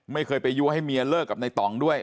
ไม่เคยไปยั่วให้เมียเลิกกับในต่องด้วย